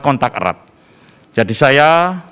kontak erat jadi saya